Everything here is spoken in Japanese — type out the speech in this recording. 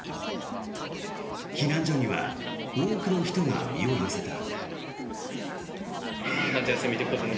避難所には多くの人が身を寄せた。